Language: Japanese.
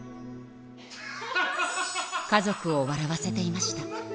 家族を笑わせていました。